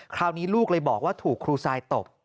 คราวนี้ลูกเลยบอกว่าถูกครูซายตบ